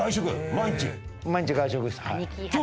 毎日？